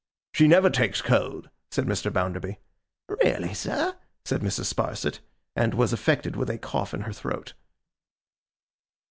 'She never takes cold,' said Mr. Bounderby. 'Really, sir?' said Mrs. Sparsit. And was affected with a cough in her throat.